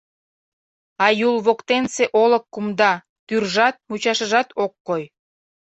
А Юл воктенсе олык кумда — тӱржат, мучашыжат ок кой.